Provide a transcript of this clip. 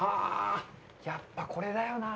やっぱこれだよなあ。